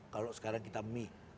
kalau sekarang kita mie